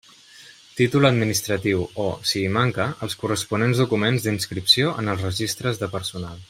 Títol administratiu o, si hi manca, els corresponents documents d'inscripció en els registres de Personal.